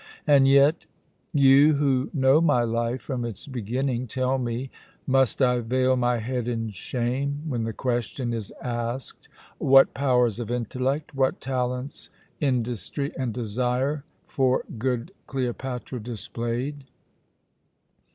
And yet! You, who know my life from its beginning, tell me must I veil my head in shame when the question is asked, what powers of intellect, what talents industry, and desire for good Cleopatra displayed?"